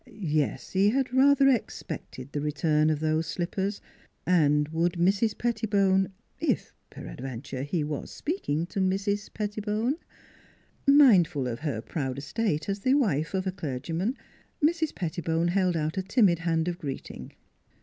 ... Yes, he had rather expected the return of those slippers. And would Mrs. Petti NEIGHBORS 159 bone if, peradventure, he was speaking to Mrs. Pettibone ? Mindful of her proud estate as the wife of a clergyman, Mrs. Pettibone held out a timid hand of greeting.